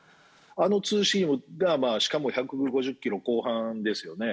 あのツーシームが、しかも１５０キロ後半ですよね。